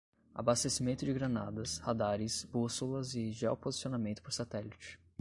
Abastecimento de granadas, radares, bússolas e geoposicionamento por satélite